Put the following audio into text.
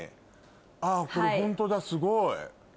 あっこれホントだすごい。